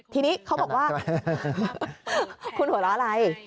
ทีนี้เขาบอกว่าคุณหัวเราะอะไร